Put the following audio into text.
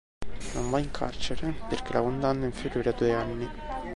Non va in carcere, perché la condanna è inferiore a due anni.